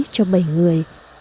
cho bảy người